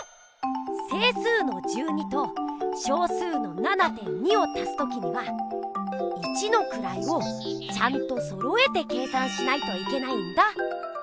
整数の１２と小数の７．２を足す時には一のくらいをちゃんとそろえて計算しないといけないんだ！